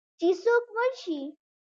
چې څوک مړ شي